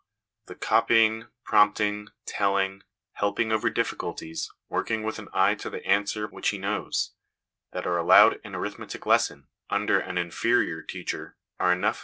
The copying, prompting, telling, helping over difficulties, working with an eye to the answer which he knows, that are allowed in the arithmetic lesson, under an inferior teacher, are enough